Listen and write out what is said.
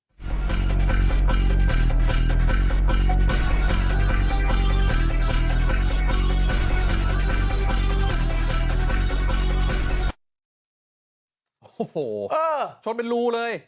โอ้โหชนเป็นรูเลย